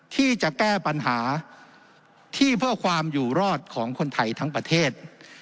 ที่จะแก้ปัญหาที่เพื่อความอยู่รอดของคนไทยทั้งประเทศ